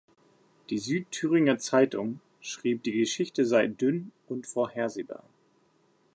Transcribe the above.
Die "Südthüringer Zeitung" schrieb, die Geschichte sei „"dünn"“ und „"vorhersehbar"“.